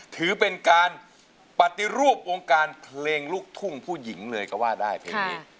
ถือเป็นการปฏิรูปวงการเพลงลูกทุ่งผู้หญิงเลยก็ว่าได้เพลงนี้